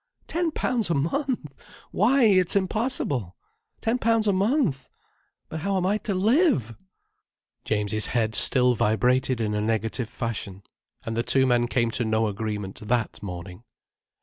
Ten pounds a month! Why it's impossible! Ten pounds a month! But how am I to live?" James's head still vibrated in a negative fashion. And the two men came to no agreement that morning.